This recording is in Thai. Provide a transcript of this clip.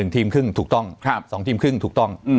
ทีมครึ่งถูกต้อง๒ทีมครึ่งถูกต้อง